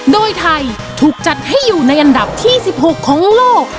โดยไทยถูกจัดให้อยู่ในอันดับที่๑๖ของโลก